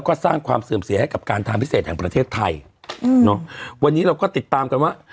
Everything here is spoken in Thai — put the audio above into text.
วันนี้จริงแล้วจริง